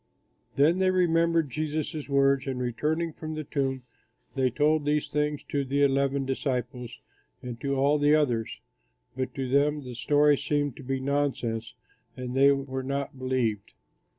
'" Then they remembered Jesus' words, and returning from the tomb they told these things to the eleven disciples and to all the others; but to them, the story seemed to be nonsense, and they were not believed.